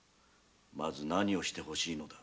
まず何をして欲しいのだ。